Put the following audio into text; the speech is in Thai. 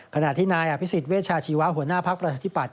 ขณะที่นายอภิษฎเวชาชีวะหัวหน้าภักดิ์ประชาธิปัตย